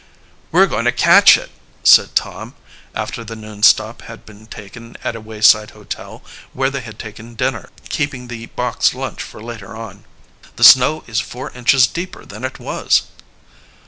"We're going to catch it!" said Tom, after the noon stop had been taken at a wayside hotel, where they had taken dinner, keeping the boxed lunch for later on. "The snow is four inches deeper than it was."